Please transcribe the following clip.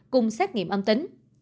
cùng xét nghiệm âm tính